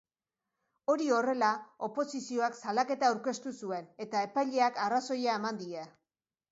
Hori horrela, oposizioak salaketa aurkeztu zuen, eta epaileak arrazoia eman die.